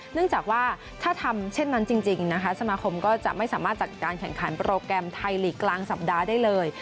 เนื่องจากว่าถ้าทำเช่นนั้นจริงนะคะสมาคมก็จะไม่สามารถจัดการแข่งขันโปรแกรมไทยลีกกลางสัปดาห์ได้เลย